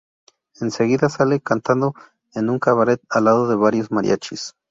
En seguida sale cantando en un cabaret a lado de varios mariachis.